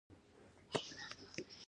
گردې د ګلانو په تولید کې مرسته کوي